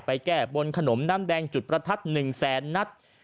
แก้บนขนมน้ำแดงจุดประทัด๑แสนนัด